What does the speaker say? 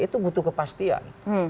itu butuh kepastian